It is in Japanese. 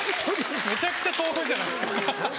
めちゃくちゃ豆腐じゃないですか。